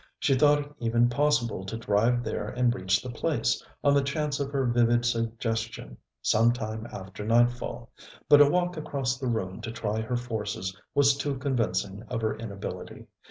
She thought it even possible to drive there and reach the place, on the chance of her vivid suggestion, some time after nightfall; but a walk across the room to try her forces was too convincing of her inability.